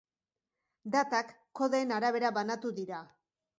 Datak kodeen arabera banatu dira.